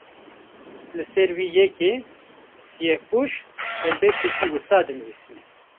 Li ser vê yekê, Siyehpûş helbesteke wisa dinivîse